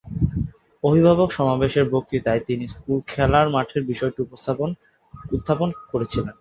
অভিভাবক সমাবেশের বক্তৃতায় তিনি স্কুল খেলার মাঠের বিষয়টি উত্থাপন করেছিলেন।